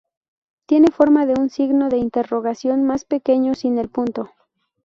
Tiene forma de un signo de interrogación más pequeño sin el punto.